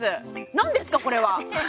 何ですか、これは。